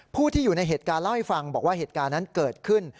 ผู้ที่อยู่ในเหตุการณ์เล่าให้ฟังบอกว่าเหตุการณ์นั้นเกิดขึ้น